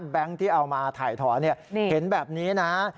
แบงค์ที่เอามาถ่ายถ่อนี่เห็นแบบนี้นะฮะ